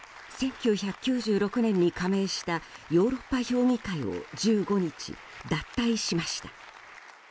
１９９６年に加盟したヨーロッパ評議会を１５日、脱退しました。